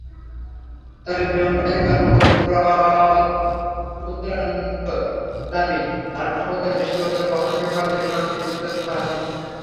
তবে বিমানবাহিনীর কর্মকর্তা পুতরানতোর দাবি, ধারণক্ষমতার বেশি ওজন বহনের ফলে বিমানটি বিধ্বস্ত হয়নি।